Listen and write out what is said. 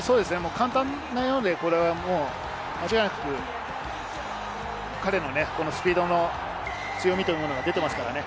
簡単なようで、彼のスピードの強みというものが出ていますからね。